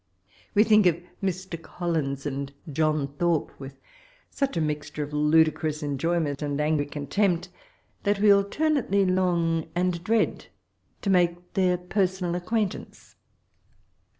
We think of Mr. Collins and John Thorpe with such a mixture of ludi crous enjoyment and ansry con tempt, that we alternately lonff and dread to make their personal ac quuntaoce.